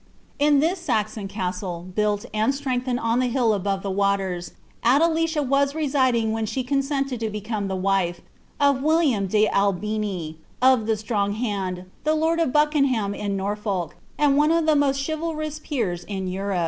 At this Saxon castle, built and strengthened on the hill above the waters, Adelicia was residing when she consented to become the wife of William de Albini, of the Strong Hand, the lord of Buckenham ID Norfolk, and one of the most chivalrous peers in Europe.